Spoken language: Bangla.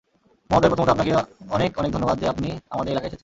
মহোদয় প্রথমত আপনাকে অনেক অনেক ধন্যবাদ, যে আপনি আমাদের এলাকায় এসেছেন।